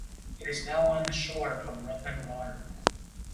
It is now on the shore of Rutland Water.